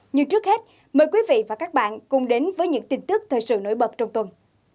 nhưng trước hết mời quý vị và các bạn cùng đến với những tin tức thời sự nổi bật trong tuần